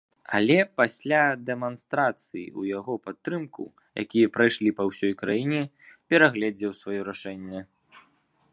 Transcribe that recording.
Але пасля дэманстрацый у яго падтрымку, якія прайшлі па ўсёй краіне, перагледзеў сваё рашэнне.